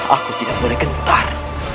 aku tidak boleh gentar